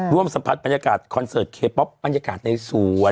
สัมผัสบรรยากาศคอนเสิร์ตเคป๊อปบรรยากาศในสวน